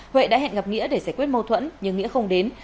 quyên và huệ đã hẹn gặp nghĩa để giải quyết mâu thuẫn nhưng nghĩa không đến